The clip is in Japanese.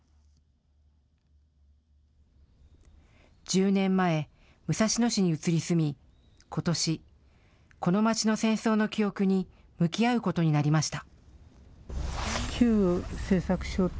１０年前、武蔵野市に移り住みことし、この町の戦争の記憶に向き合うことになりました。